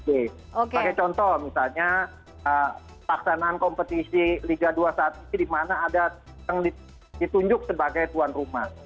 sebagai contoh misalnya paksanaan kompetisi liga dua saat ini di mana ada yang ditunjuk sebagai tuan rumah